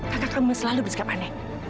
maka kamu selalu bersikap aneh